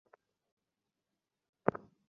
তোমার মতো অফিসারদের ওপর দেশ নির্ভর করে না।